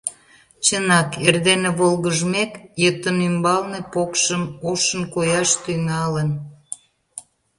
Чынак, эрдене волгыжмек, йытын ӱмбалне покшым ошын кояш тӱҥалын.